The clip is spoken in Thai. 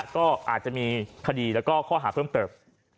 ก็อาจจะมีคดีแล้วก็ข้อหาเพิ่มเติม